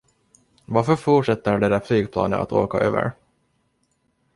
Varför fortsätter det där flygplanet att åka över?